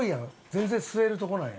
全然吸えるとこなんや。